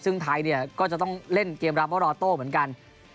ซึ่งไทยก็จะต้องเล่นเกมรับรอโตเหมือนกัน